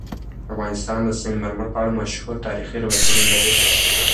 افغانستان د سنگ مرمر په اړه مشهور تاریخی روایتونه لري.